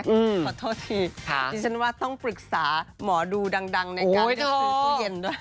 ขอโทษทีจริงฉันว่าต้องปรึกษาหมอดูดังในการไปสื่อตู้เย็นด้วยนะครับโอ้โธ่